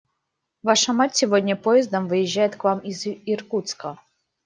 Ваша мать сегодня поездом выезжает к вам из Иркутска.